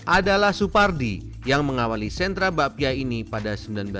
adalah supardi yang mengawali sentra bakpia ini pada seribu sembilan ratus sembilan puluh